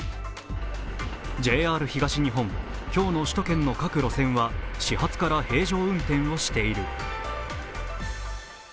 ＪＲ東日本、今日の首都圏の各路線は始発から平常運転をしている。